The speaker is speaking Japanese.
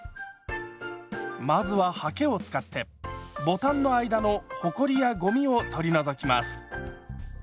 まずははけを使ってボタンの間のほこりやごみを取り除きます。